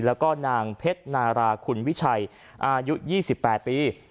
แล้วก็นางเพชรนาราคุณวิชัยอายุ๒๘ปี